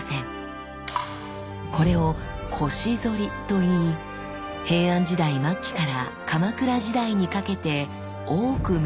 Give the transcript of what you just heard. これを「腰反り」といい平安時代末期から鎌倉時代にかけて多く見られた特徴です。